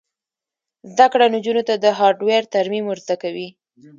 زده کړه نجونو ته د هارډویر ترمیم ور زده کوي.